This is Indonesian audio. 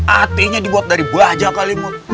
atinya dibuat dari buah aja kali mut